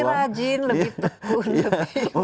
lebih rajin lebih tekun